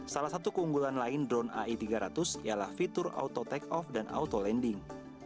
salah satu keunggulan lain drone ai tiga ratus ialah fitur auto take off dan auto landing